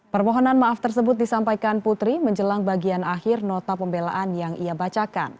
permohonan maaf tersebut disampaikan putri menjelang bagian akhir nota pembelaan yang ia bacakan